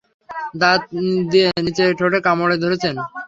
দাঁত দিয়ে নিচের ঠোঁট কামড়ে ধরেছেন।